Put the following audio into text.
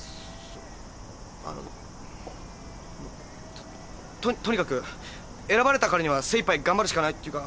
とととにかく選ばれたからには精一杯頑張るしかないっていうかそういう。